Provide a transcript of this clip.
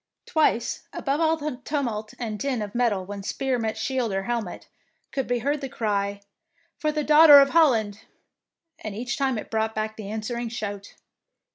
Twice, above all the tumult and din of metal when spear met shield or hel met, could be heard the cry, " For the Daughter of Holland," and each time it brought the answering shout.